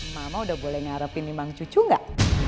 mama udah boleh ngarepin memang cucu gak